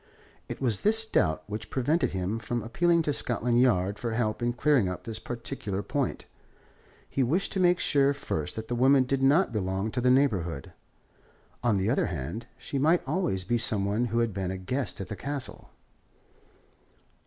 It was this doubt which prevented him from appealing to Scotland Yard for help in clearing up this particular point. He wished to make sure first that the woman did not belong to the neighbourhood. On the other hand, she might always be some one who had been a guest at the Castle.